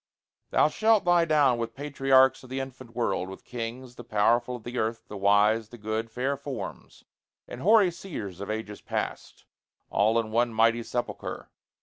Thou shalt lie down With patriarchs of the infant world with kings, The powerful of the earth the wise, the good, Fair forms, and hoary seers of ages past, All in one mighty sepulchre.